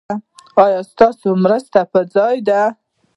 ایا ستاسو مرستې پر ځای دي؟